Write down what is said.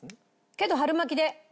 けど春巻きで。